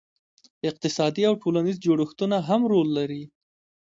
اقتصادي او ټولنیز جوړښتونه هم رول لري.